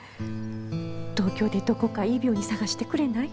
東京でどこかいい病院探してくれない？